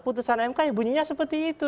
putusan mk ya bunyinya seperti itu